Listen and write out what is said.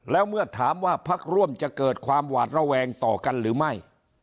แล้วเมื่อถามว่าพักร่วมจะเกิดความหวาดระแวงต่อกันหรือไม่